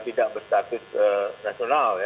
tidak berstatus nasional